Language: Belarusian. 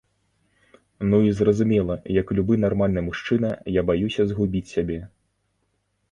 Ну і, зразумела, як любы нармальны мужчына я баюся згубіць сябе.